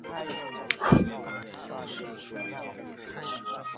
葡萄牙语姓名通常由一个或两个名字和几个姓氏组成。